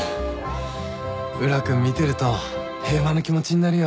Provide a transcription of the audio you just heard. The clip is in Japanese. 宇良君見てると平和な気持ちになるよ。